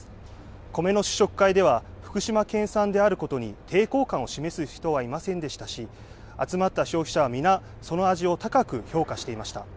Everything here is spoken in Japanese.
米の試食会では、福島県産であることに抵抗感を示す人はいませんでしたし、集まった消費者は皆、その味を高く評価していました。